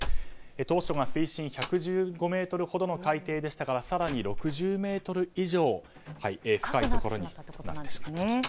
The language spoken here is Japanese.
当初は水深１１５ｍほどの海底でしたから更に６０ｍ以上深い位置になってしまったと。